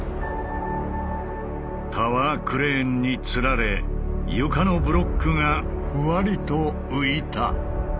タワークレーンにつられ床のブロックがふわりと浮いた。